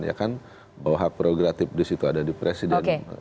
ya kan bahwa hak progratif disitu ada di presiden